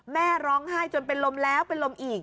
แม่ร้องไห้จนเป็นลมแล้วเป็นลมอีก